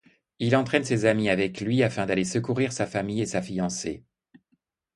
Il entraîne ses amis avec lui afin d'aller secourir sa famille et sa fiancée.